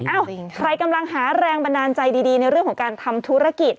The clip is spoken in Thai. คนที่กำลังหาแรงบรรดานใจในเรื่องของการทำธุรกิจ